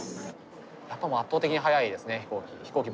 やっぱもう圧倒的に早いですね飛行機。